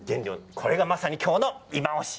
これがまさに今日のいまオシ！